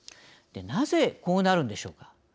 なぜこうなるのでしょうか。